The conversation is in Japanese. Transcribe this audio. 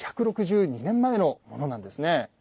１６２年前のものなんですね。